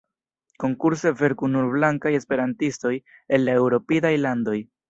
Konkurse verku nur blankaj esperantistoj el la eŭropidaj landoj.